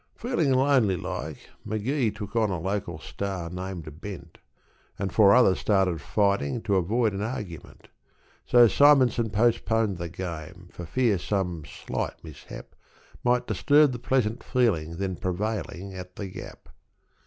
Feeling lonely like, Magee took on a local star named Bent, And four others started fighting to avoid an argument: So Simonsen postponed the game, for fear some slight mishap Might disturb the pleasant feeling then prevailing at The Gap.